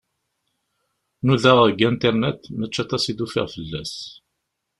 Nudaɣ deg internet, mačči aṭas i d-ufiɣ fell-as.